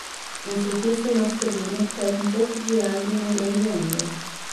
Um surfista masculino pega um pouco de ar de uma grande onda.